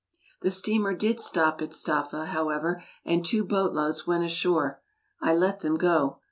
The steamer did stop at Staffa, however, and two boat loads went ashore. I let them go.